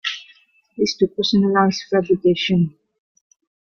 It's to personalise fabrication.